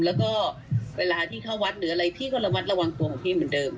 แล้วก็เวลาที่เข้าวัดหรืออะไรพี่ก็ระมัดระวังตัวของพี่เหมือนเดิม